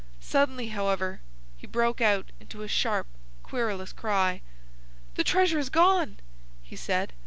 Suddenly, however, he broke out into a sharp, querulous cry. "The treasure is gone!" he said.